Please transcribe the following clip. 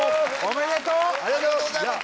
ありがとうございます。